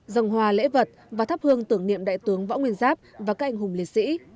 dâng hòa lễ vật và thắp hương tưởng niệm đại tướng võ nguyên giáp và các anh hùng liệt sĩ